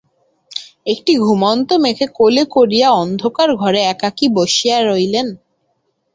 একটি ঘুমন্ত মেয়েকে কোলে করিয়া অন্ধকার ঘরে একাকী বসিয়া রহিলেন।